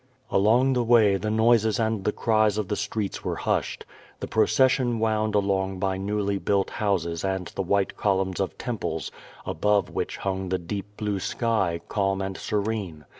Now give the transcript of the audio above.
Along the way, the noises and the cries of the streets were hushed. The procession wound along by newly built houses and the white columns of temples, above which hung the deep blue sky, calm and serene.